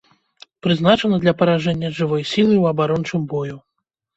Прызначана для паражэння жывой сілы ў абарончым бою.